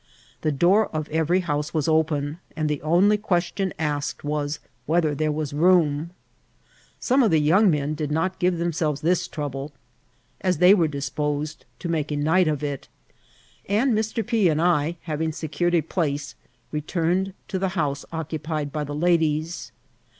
The door of every house was open, and die only questioB asked was whether there was room. Some of dM ▲ iCBVB OF PI.1A8VRB. tSS jomig men did not giro themselves this tronble, as they were disposed to make a night of it ; and Mr. P» and If having secured a place, returned to the house oc» cupied by the ladies.